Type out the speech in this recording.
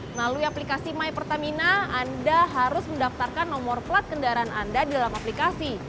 melalui aplikasi my pertamina anda harus mendaftarkan nomor plat kendaraan anda di dalam aplikasi